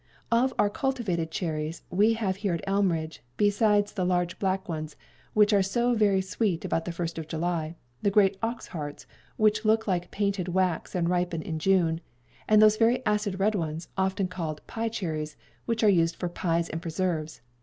Of our cultivated cherries, we have here at Elmridge, besides the large black ones, which are so very sweet about the first of July, the great ox hearts, which look like painted wax and ripen in June, and those very acid red ones, often called pie cherries, which are used for pies and preserves.